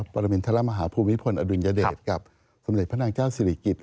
ปรมินทรมาฮาภูมิพลอดุลยเดชกับสมเด็จพระนางเจ้าศิริกิจ